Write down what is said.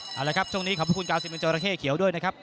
เอาละครับช่วงนี้ขอบคุณกาวซิเมนจอราเข้เขียวด้วยนะครับ